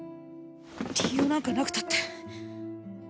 理由なんかなくたって